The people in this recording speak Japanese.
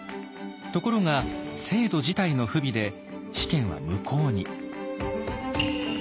ところが制度自体の不備で試験は無効に。